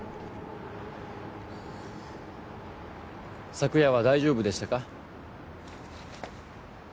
昨夜は大丈夫でしたか？